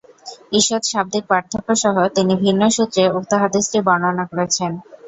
ঈষৎ শাব্দিক পার্থক্যসহ তিনি ভিন্ন সূত্রে উক্ত হাদীসটি বর্ণনা করেছেন।